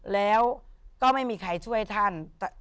แล้วก็ไม่มีใครช่วยท่าน